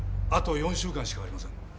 あと４週間しかありません。